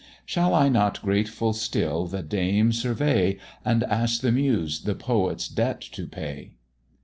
Shall I not grateful still the dame survey, And ask the Muse the poet's debt to pay?